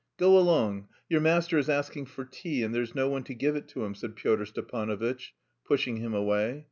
"Go along. Your master is asking for tea, and there's no one to give it to him," said Pyotr Stepanovitch, pushing him away.